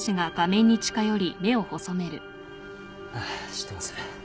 知ってます。